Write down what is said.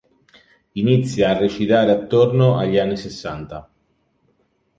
Inizia a recitare attorno agli anni sessanta.